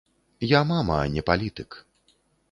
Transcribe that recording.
Я мама, а не палітык.